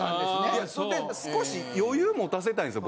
いや少し余裕持たせたいんですよ